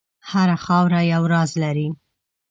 هره خاوره یو راز لري.